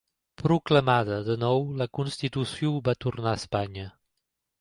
Proclamada, de nou, la Constitució, va tornar a Espanya.